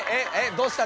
どうした？